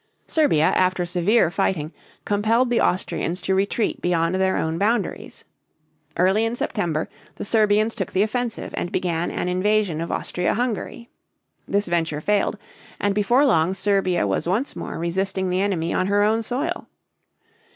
Serbia after severe fighting compelled the Austrians to retreat beyond their own boundaries. Early in September the Serbians took the offensive and began an invasion of Austria Hungary. This venture failed, and before long Serbia was once more resisting the enemy on her own soil.